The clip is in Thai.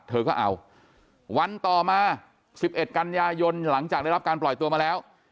เธอก็เอาวันต่อมา๑๑กันยายนหลังจากได้รับการปล่อยตัวมาแล้ว